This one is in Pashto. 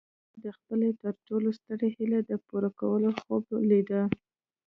هغه د خپلې تر ټولو سترې هيلې د پوره کولو خوب ليده.